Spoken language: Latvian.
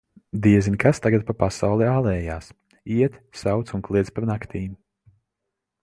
Diezin, kas tagad pa pasauli ālējas: iet, sauc un kliedz pa naktīm.